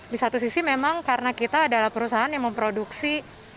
di satu sisi memang karena kita adalah perusahaan yang memproduksi